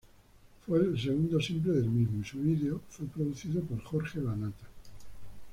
Fue el segundo simple del mismo, y su video fue producido por Jorge Lanata.